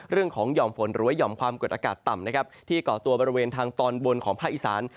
เรื่องของห่อมฝนหรือว่าห่อมความกดอากาศต่ำนะครับที่ก่อตัวบริเวณทางตอนบนของภาคอีสาน